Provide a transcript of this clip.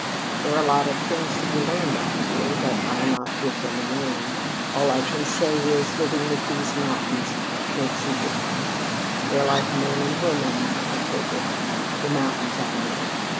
"There are a lot of things to be learned out here, but I'll not give them a name. All I can say is, living with these mountains makes you different. They're like men and women, I take it. (The mountains, I mean.)